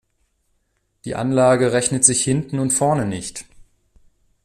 Die Anlage rechnet sich hinten und vorne nicht.